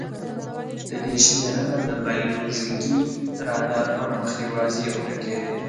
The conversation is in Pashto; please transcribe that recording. د دې شمېرنه د بایولوژیکي رادار پر مخ یواځې یو ټکی دی.